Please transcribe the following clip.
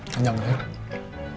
kenyang gak ya